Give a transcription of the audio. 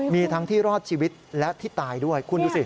มีทั้งที่รอดชีวิตและที่ตายด้วยคุณดูสิ